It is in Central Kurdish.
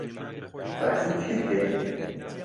باسی چی بکەین؟